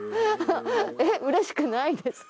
えっ嬉しくないですか？